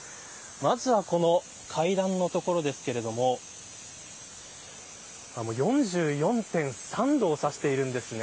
まずは階段の所ですけれども４４．３度を指しているんですね。